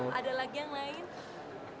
ada lagi yang lain